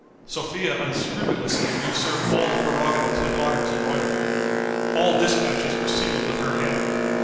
Sophia unscrupulously usurped all the prerogatives and honors of royalty. All dispatches were sealed with her hand.